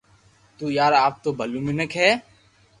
تو يار آپ تو ڀلو منيک ھي